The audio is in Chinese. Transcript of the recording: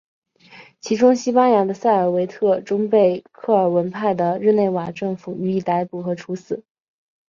其中西班牙的塞尔维特终被克尔文派的日内瓦政府予以逮捕和处死。